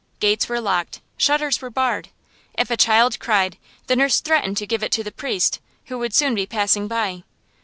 Gates were locked; shutters were barred. If a child cried, the nurse threatened to give it to the priest, who would soon be passing by.